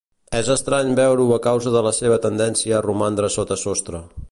És estrany veure-ho a causa de la seva tendència a romandre sota sostre.